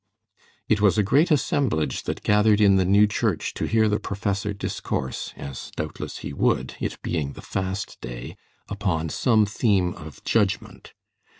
It was a great assemblage that gathered in the new church to hear the professor discourse, as doubtless he would, it being the Fast Day, upon some theme of judgment.